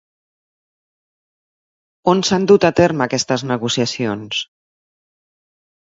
On s'han dut a terme aquestes negociacions?